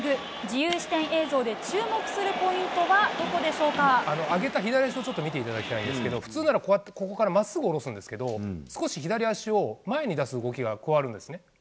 自由視点映像で注目するポイント上げた左足をちょっと見ていただきたいんですけど、普通ならここからまっすぐ下ろすんですけど、少し左足を前に出す動きが加わるんですね。